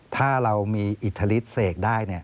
ถ้าเรามีอิทธิฤทธเสกได้